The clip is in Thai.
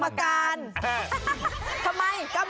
เป็นกีฬาที่สนุกมากสนุกทุกคนยกเว้นกรรมการ